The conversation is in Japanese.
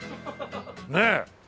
ねえ。